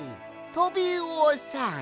トビウオさん。